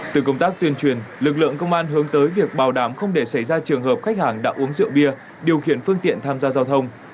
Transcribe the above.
từ công tác tuyên truyền lực lượng công an hướng tới việc bảo đảm không để xảy ra trường hợp khách hàng đã uống rượu bia điều khiển phương tiện tham gia giao thông